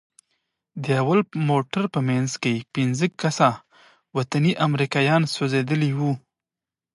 د اول موټر په منځ کښې پنځه کسه وطني امريکايان سوځېدلي وو.